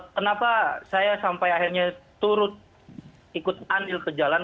kenapa saya sampai akhirnya turut ikut andil ke jalan